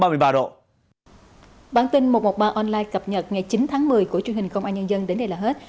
bản tin một trăm một mươi ba online cập nhật ngày chín tháng một mươi của truyền hình công an nhân dân đến đây là hết